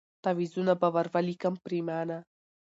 تعویذونه به ور ولیکم پرېمانه